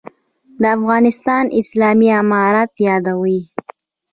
«د افغانستان اسلامي امارت» یادوي.